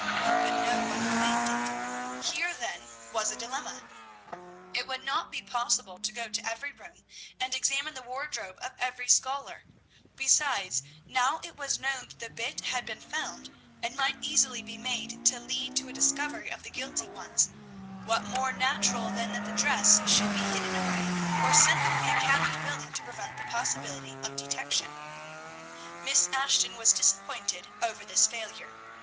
But no one claimed it! Here, then, was a dilemma! It would not be possible to go to every room, and examine the wardrobe of every scholar; besides, now it was known that the bit had been found, and might easily be made to lead to a discovery of the guilty ones, what more natural than that the dress should be hidden away, or sent from the academy building to prevent the possibility of detection! Miss Ashton was disappointed over this failure.